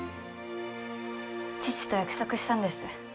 父と約束したんです。